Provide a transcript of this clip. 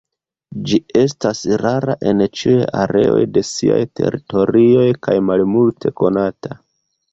Ĝi estas rara en ĉiuj areoj de siaj teritorioj kaj malmulte konata.